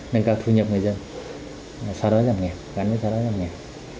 nâng cao thu nhập người dân so đói giảm nghèo gắn với xóa đói giảm nghèo